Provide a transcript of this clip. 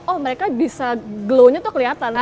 oh mereka bisa glow nya tuh kelihatan